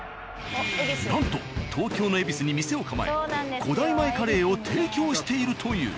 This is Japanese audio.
なんと東京の恵比寿に店を構え古代米カレーを提供しているという。